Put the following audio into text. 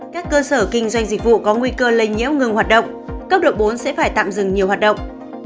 các cơ sở kinh doanh dịch vụ có nguy cơ lây nhiễm ngừng hoạt động cấp độ bốn sẽ phải tạm dừng nhiều hoạt động